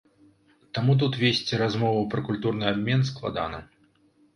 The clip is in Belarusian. Таму тут весці размову пра культурны абмен складана.